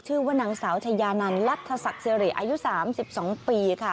ชื่อว่านางสาวชายานันรัฐศักดิ์สิริอายุ๓๒ปีค่ะ